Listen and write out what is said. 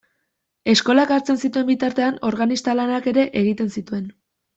Eskolak hartzen zituen bitartean, organista lanak ere egiten zituen.